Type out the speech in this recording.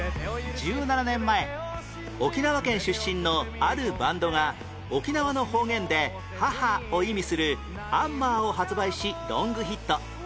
１７年前沖縄県出身のあるバンドが沖縄の方言で「母」を意味する『アンマー』を発売しロングヒット